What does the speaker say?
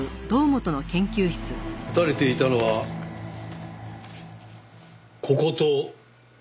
撃たれていたのはこことここ。